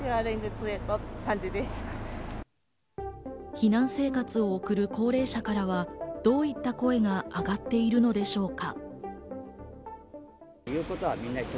避難生活を送る高齢者からはどういった声が上がっているのでしょうか。